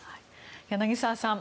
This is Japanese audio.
柳澤さん